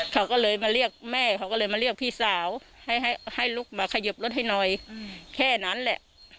เขาก็เลยมาเรียกแม่เขาก็เลยมาเรียกพี่สาวให้ลุกมาขยิบรถให้หน่อยแค่นั้นแหละ